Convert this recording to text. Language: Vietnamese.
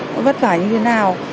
nó vất vả như thế nào